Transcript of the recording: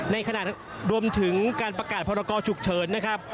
ในขณะรวมถึงการประกาศพรกรฉุกเฉินนะครับ